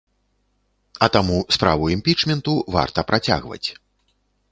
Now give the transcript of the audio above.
А таму справу імпічменту варта працягваць.